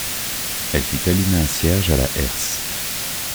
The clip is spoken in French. Elle fit allumer un cierge à la herse.